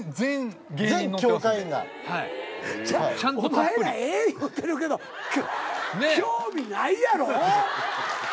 お前ら「え」言うてるけど興味ないやろ。